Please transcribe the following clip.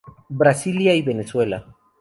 Brasilia y Venezuela.